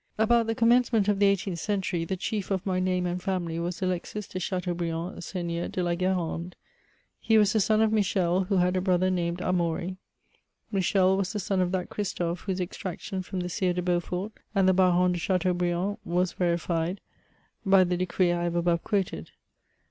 About the commencement of the eighteenth century, the chief of my name and family was Alexis de Chateaubriand, Seigneur de la Gu^rande. He was the son of Michel, who had a brother named Amaury. Michel was the son of that Christophe, whose extraction from the Sires de Beaufort, and the Barons de Chateaubriand was verified by the decree I have above (j^uoted.